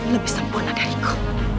lebih sempurna dariku